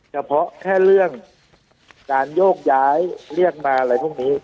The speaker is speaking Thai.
เฉพาะแค่เรื่องการโยกย้ายเรียกมาอะไรพวกนี้